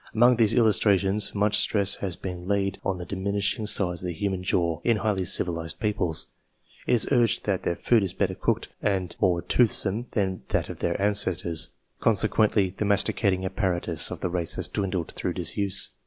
Among these illustrations much stress has been laid on the diminishing size of the human jaw, in highly civilized peoples. It is urged that their food is jtter cooked and more toothsome than that of their icestors, consequently the masticating apparatus of the has dwindled through disuse.